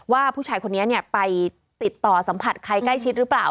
ว่าผู้ชายคนนี้ไปติดต่อสัมผัสใครใกล้ชิดหรือเปล่า